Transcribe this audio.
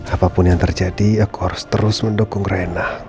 apapun yang terjadi aku harus terus mendukung rena